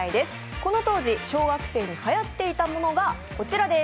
この当時、小学生にはやっていたものがこちらです。